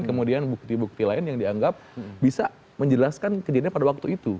kemudian bukti bukti lain yang dianggap bisa menjelaskan kejadiannya pada waktu itu